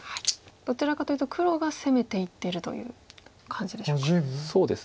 どちらかというと黒が攻めていってるという感じでしょうか。